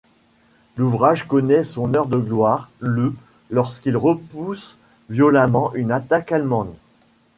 L'ouvrage connaît son heure de gloire le lorsqu'il repousse violemment une attaque allemande.